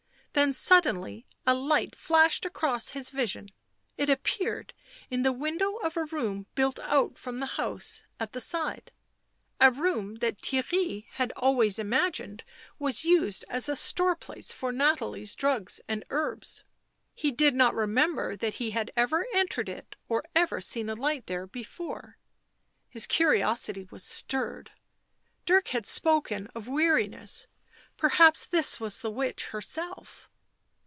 Then suddenly a light flashed across his vision ; it "appeared in the window of a room built out from the house at the side — a room that Theirry had always imagined was used as a store place for Nathalie's drugs and herbs; he did not remember that he had ever entered it or ever seen a light there before. His curiosity was stirred; Dirk had spoken of weariness — perhaps this was the witch herself.